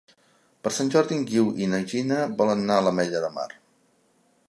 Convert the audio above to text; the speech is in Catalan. Per Sant Jordi en Guiu i na Gina volen anar a l'Ametlla de Mar.